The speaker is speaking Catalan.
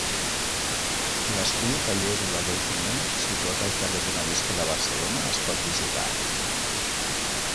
L'Estudi-Taller d'Oleguer Junyent situat al carrer Bonavista de Barcelona es pot visitar.